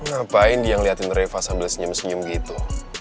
ngapain dia ngeliatin reva sambil senyum senyum gitu